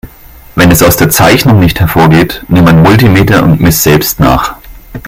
Wenn es aus der Zeichnung nicht hervorgeht, nimm ein Multimeter und miss selbst nach.